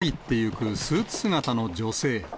店に入っていくスーツ姿の女性。